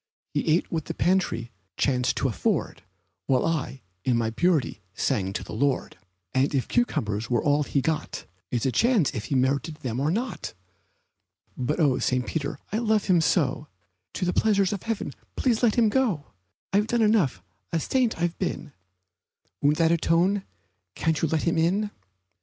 He ate what the pantry chanced to afford, While I, in my purity, sang to the Lord; And if cucumbers were all he got It's a chance if he merited them or not. But oh, St. Peter, I love him so! To the pleasures of heaven please let him go! I've done enough a saint I've been Won't that atone? Can't you let him in?